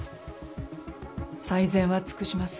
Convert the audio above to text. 最善は尽くします。